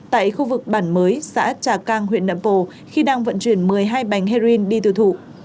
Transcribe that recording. tại khu vực bản mới xã trà cang huyện nậm pồ khi đang vận chuyển một mươi hai bánh heroin đi tiêu thụ